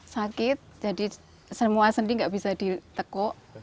sakit jadi semua sendi nggak bisa ditekuk